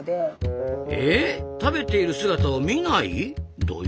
食べている姿を見ない？